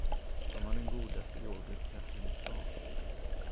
De har den godaste yoghurtglassen i stan.